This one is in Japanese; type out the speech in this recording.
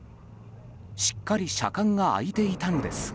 しっかり車間が空いていたのですが。